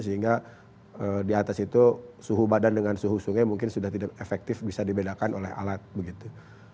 sehingga di atas itu suhu badan dengan suhu sungai mungkin sudah tidak efektif bisa dibedakan oleh alat begitu